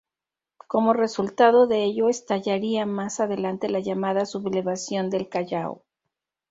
Como resultado de ello estallaría más adelante la llamada Sublevación del Callao.